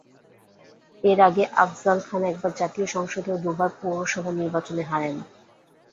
এর আগে আফজল খান একবার জাতীয় সংসদে ও দুবার পৌরসভা নির্বাচনে হারেন।